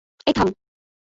এই, থাম।